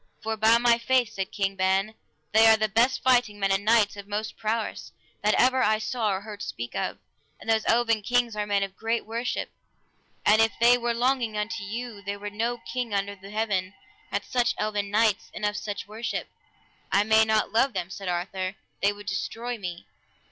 For by my faith, said King Ban, they are the best fighting men, and knights of most prowess, that ever I saw or heard speak of, and those eleven kings are men of great worship; and if they were longing unto you there were no king under the heaven had such eleven knights, and of such worship. I may not love them, said Arthur, they would destroy me.